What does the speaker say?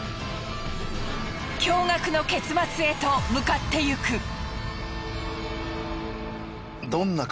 驚愕の結末へと向かっていく。